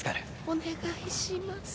お願いします。